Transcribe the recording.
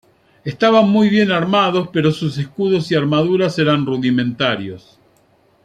Estaban muy bien armados, pero sus escudos y armaduras eran rudimentarios.